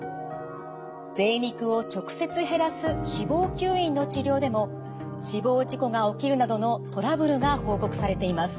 ぜい肉を直接減らす脂肪吸引の治療でも死亡事故が起きるなどのトラブルが報告されています。